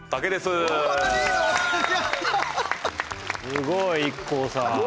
すごいＩＫＫＯさん。